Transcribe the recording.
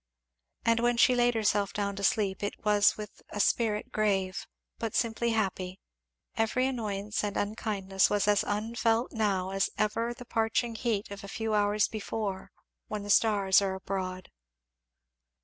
And when she laid herself down to sleep it was with a spirit grave but simply happy; every annoyance and unkindness as unfelt now as ever the parching heat of a few hours before when the stars are abroad.